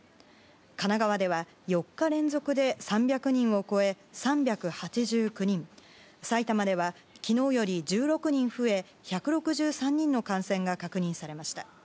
神奈川では４日連続で３００人を超え３８９人埼玉では昨日より１６人増え１６３人の感染が確認されました。